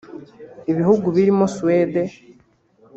Ibihugu birimo Suède